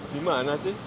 di mana sih